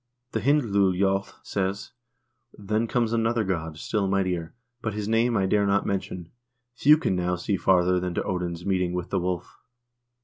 The "Hyndlul jotS "says: Then comes another god still mightier, but his name I dare not mention ; few can now see farther than to Odin's meeting with the wolf.